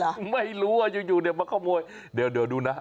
ไม่รู้ว่าอยู่เนี่ยมาขโมยเดี๋ยวดูนะ